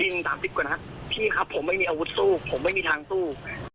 สามสิบกว่านัดพี่ครับผมไม่มีอาวุธสู้ผมไม่มีทางสู้